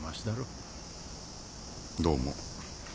どうも。